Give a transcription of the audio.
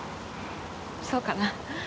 そうかな？